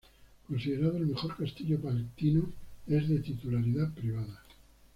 Considerado el mejor castillo palentino, es de titularidad privada.